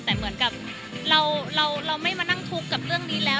แต่เหมือนกับเราไม่มานั่งทุกข์กับเรื่องนี้แล้ว